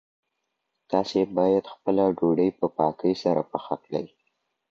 تاسي باید خپله ډوډې په پاکۍ سره پخه کړئ.